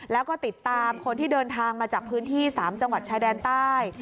แล้วก็ติดตามคนที่เดินทางมาจากพื้นที่๓จังหวัดชายแดนใต้